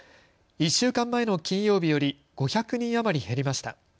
１週間前の金曜日より５００人余り減りました。